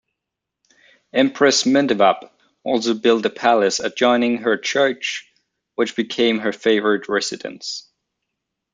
Empress Mentewab also built a palace adjoining her church, which became her favored residence.